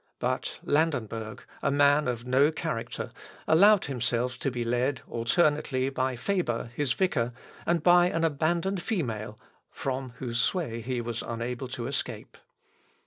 But Landenberg, a man of no character, allowed himself to be led alternately by Faber, his vicar, and by an abandoned female, from whose sway he was unable to escape.